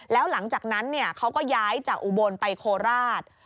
แล้วหลังจากนั้นเขาก็ย้ายจากอุบลไปโคราช